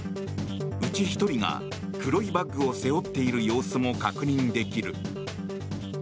うち１人が、黒いバッグを背負っている様子も確認できる。